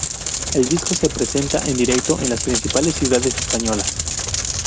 El disco se presenta en directo en las principales ciudades españolas.